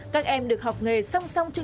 các em được học nghề song song chung chung